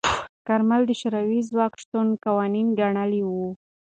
کارمل د شوروي ځواکونو شتون قانوني ګڼلی و.